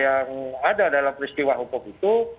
yang ada dalam peristiwa hukum itu